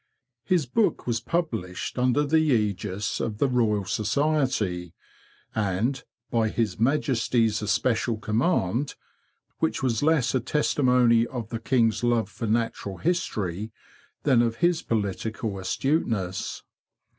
His book was published under the egis of the Royal Society, and '"' by his Majestie's especial Command,'' which was less a testimony of the King's love for natural history than of his political astuteness.